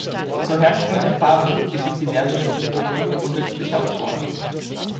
Zur Herstellung der Farbe gibt es diverse Rezepturen unterschiedlicher Autoren.